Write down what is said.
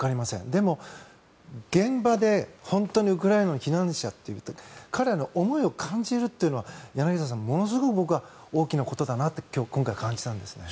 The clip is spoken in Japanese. でも、現場で本当にウクライナの避難者というと彼らの思いを感じるというのは柳澤さん、ものすごく大きなことだなと今回、感じたんですね。